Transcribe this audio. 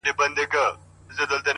لـــكــه ښـــه اهـنـــگ،